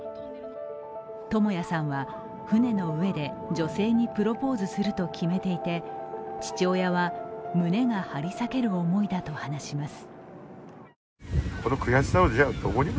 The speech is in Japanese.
智也さんは船の上で女性にプロポーズすると決めていて父親は、胸が張り裂ける思いだと話します。